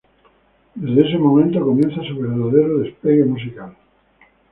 Desde ese momento comienza su verdadero despegue musical.